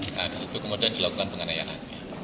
nah di situ kemudian dilakukan penganiayaan